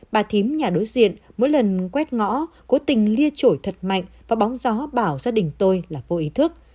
bà thím nhà đối diện mỗi lần quét ngõ cố tình lia trội thật mạnh và bóng gió bảo gia đình tôi là vô ý thức